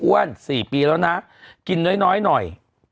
๔ปีแล้วนะกินน้อยหน่อย